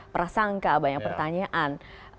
prasangka banyak pertanyaan